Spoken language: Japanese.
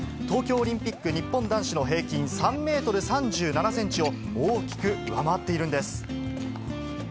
東京オリンピック日本男子の平均３メートル３７センチを大きく上回っているんです。